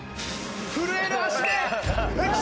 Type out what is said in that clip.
震える足で。